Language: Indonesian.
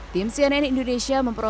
tim cnn indonesia memperoleh